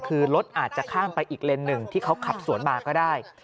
คือรถอาจจะข้ามไปอีกเลนส์หนึ่งที่เขาขับสวนมาก็ได้